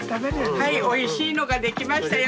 はいおいしいのができましたよ。